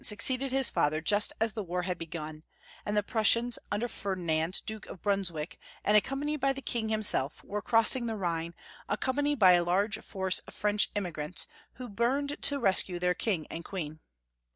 succeeded liis father just as the war had begun, and the Prussians, under Fer dinand, Duke of Brunswick, and accompanied by the King himself, were crossing the Rhine, accom panied by a large force of French emigrants, who burned to rescue their King and Queen.